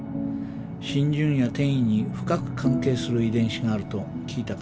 浸潤や転移に深く関係する遺伝子があると聞いたからです。